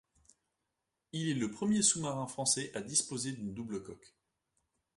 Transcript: Il est le premier sous-marin français à disposer d'une double coque.